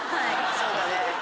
そうだね。